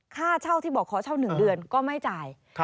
ค่าเช่าที่บอกขอเช่า๑เดือนก็ไม่จ่าย